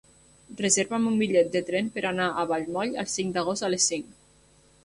Reserva'm un bitllet de tren per anar a Vallmoll el cinc d'agost a les cinc.